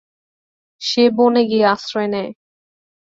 সে বনে গিয়ে আশ্রয় নেয়।